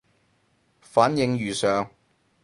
反應如上